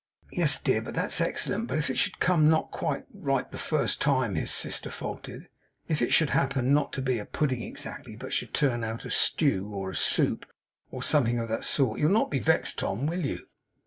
'Yes, dear, that's excellent! But if it should happen not to come quite right the first time,' his sister faltered; 'if it should happen not to be a pudding exactly, but should turn out a stew, or a soup, or something of that sort, you'll not be vexed, Tom, will you?